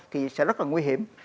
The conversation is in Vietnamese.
thì sẽ rất là nguy hiểm